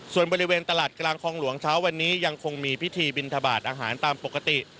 ส่วนบริเวณตลาดกลางคลองหลวงเช้าวันนี้ยังคงมีพิธีบินทบาทอาหารตามปกติ